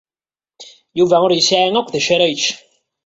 Yuba ur yesɛi akk d acu ara yecc.